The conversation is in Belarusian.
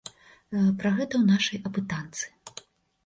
Пра гэта ў нашай апытанцы.